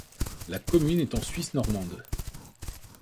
La commune est en Suisse normande.